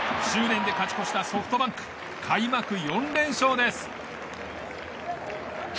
執念で勝ち越したソフトバンク。開幕４連勝です！